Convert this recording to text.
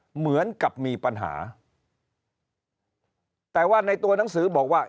เหมือนกับมีปัญหาแต่ว่าในตัวหนังสือบอกว่า